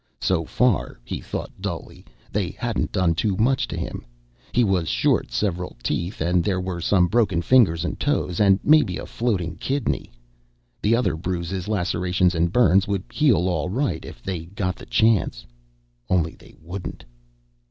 So far, he thought dully, they hadn't done too much to him. He was short several teeth, and there were some broken fingers and toes, and maybe a floating kidney. The other bruises, lacerations, and burns would heal all right if they got the chance. Only they wouldn't.